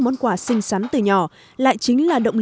mình đã chọn